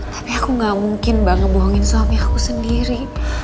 tapi aku gak mungkin banget ngebohongin suami aku sendiri